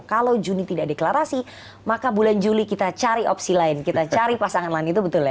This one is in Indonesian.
kalau juni tidak deklarasi maka bulan juli kita cari opsi lain kita cari pasangan lain itu betul ya